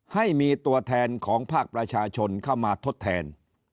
ให้มีตัวแทนของภาคประชาชนเข้ามาทดแทน